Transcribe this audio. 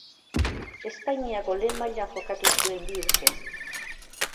Espainiako lehen mailan jokatu zuen bi urtez.